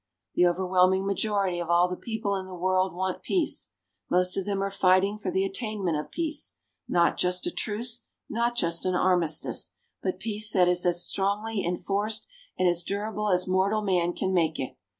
The overwhelming majority of all the people in the world want peace. Most of them are fighting for the attainment of peace not just a truce, not just an armistice but peace that is as strongly enforced and as durable as mortal man can make it.